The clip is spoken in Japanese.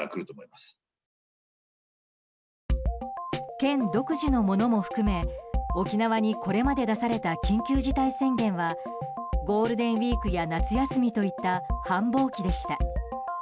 県独自のものも含め沖縄にこれまで出された緊急事態宣言はゴールデンウィークや夏休みといった繁忙期でした。